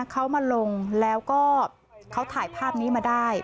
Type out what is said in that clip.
เขามาลงแล้วก็เขาถ่ายภาพนี้มาได้